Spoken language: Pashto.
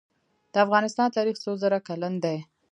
د افغانستان تاریخ څو زره کلن دی؟